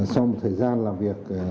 sau một thời gian làm việc